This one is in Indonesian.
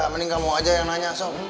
mending kamu aja yang nanya so